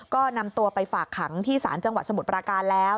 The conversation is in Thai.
ก็นำตัวไปฝากขังที่ศาลจังหวัดสมุทรปราการแล้ว